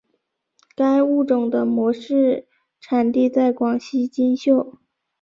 该物种的模式产地在广西金秀。